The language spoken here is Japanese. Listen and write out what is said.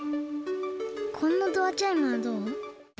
こんなドアチャイムはどう？